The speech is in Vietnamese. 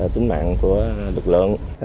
tính mạng của lực lượng